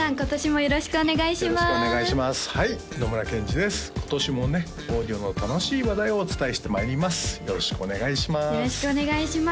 よろしくお願いします